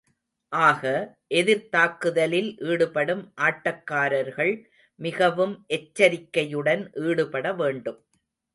ஆக, எதிர்த்தாக்குதலில் ஈடுபடும் ஆட்டக் காரர்கள் மிகவும் எச்சரிக்கையுடன் ஈடுபட வேண்டும்.